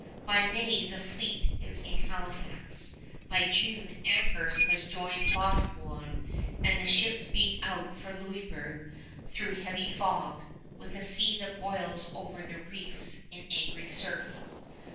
By May the fleet is in Halifax. By June Amherst has joined Boscawen, and the ships beat out for Louisburg through heavy fog, with a sea that boils over the reefs in angry surf.